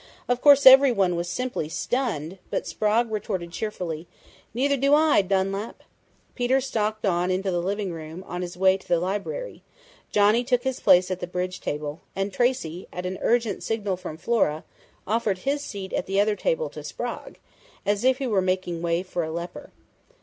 "Of course everyone was simply stunned, but Sprague retorted cheerfully, 'Neither do I, Dunlap!' Peter stalked on into the living room on his way to the library, Johnny took his place at the bridge table, and Tracey, at an urgent signal from Flora, offered his seat at the other table to Sprague, as if he were making way for a leper.